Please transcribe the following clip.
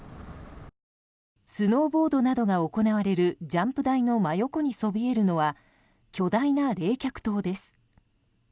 スノーボードなどが行われるジャンプ台の真横にそびえるのは巨大な冷却塔です。